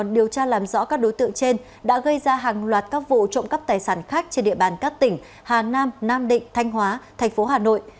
điều tra làm rõ các đối tượng trên đã gây ra hàng loạt các vụ trộm cắp tài sản khác trên địa bàn các tỉnh hà nam nam định thanh hóa thành phố hà nội